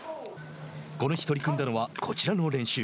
この日取り組んだのはこちらの練習。